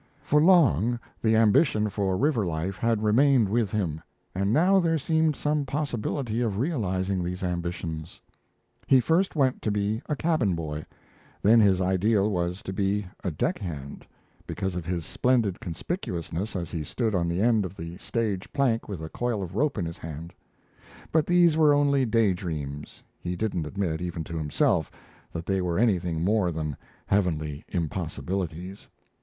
For long the ambition for river life had remained with him and now there seemed some possibility of realizing these ambitions. He first wanted to be a cabin boy; then his ideal was to be a deck hand, because of his splendid conspicuousness as he stood on the end of the stage plank with a coil of rope in his hand. But these were only day dreams he didn't admit, even to himself, that they were anything more than heavenly impossibilities.